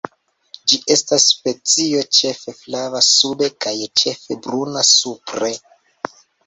Ĝi estas specio ĉefe flava sube kaj ĉefe bruna supre.